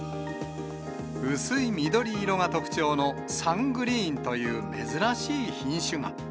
薄い緑色が特徴の、サングリーンという珍しい品種が。